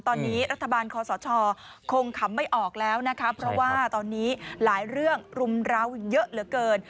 ตอนนี้รัฐบาลคอสชคงขำไม่ออกแล้วนะคะเพราะว่าตอนนี้หลายเรื่องรุมร้าวเยอะเหลือเกิน